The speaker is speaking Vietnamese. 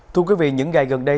thưa quý vị những ngày gần đây